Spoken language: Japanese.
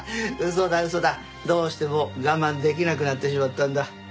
どうしても我慢できなくなってしまったんだ。